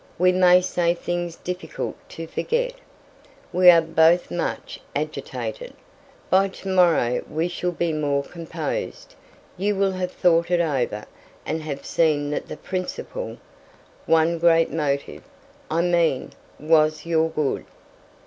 We may say things difficult to forget. We are both much agitated. By to morrow we shall be more composed; you will have thought it over, and have seen that the principal one great motive, I mean was your good.